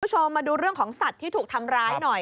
คุณผู้ชมมาดูเรื่องของสัตว์ที่ถูกทำร้ายหน่อย